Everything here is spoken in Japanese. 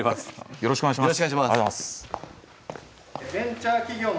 よろしくお願いします。